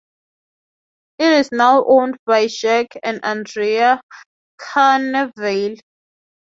It is now owned by Jack and Andrea Carnevale.